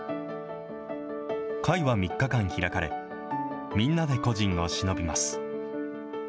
会は３日間開かれ、みんなで故人をしのびます。